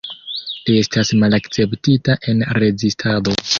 Li estas malakceptita en rezistado.